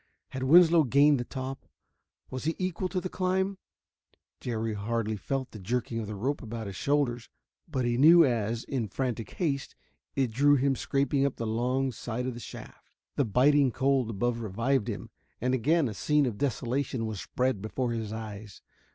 Had Winslow gained the top? Was he equal to the climb? Jerry hardly felt the jerking of the rope about his shoulders, but he knew as, in frantic haste, it drew him scraping up the long side of the shaft. The biting cold above revived him, and again a scene of desolation was spread before his eyes.